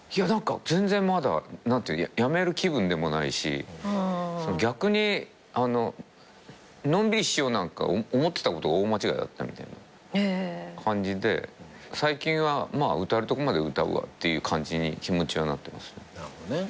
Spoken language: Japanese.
全然まだやめる気分でもないし逆にのんびりしようなんか思ってたこと大間違いだったみたいな感じで最近は歌えるとこまで歌うわっていう感じに気持ちはなってます。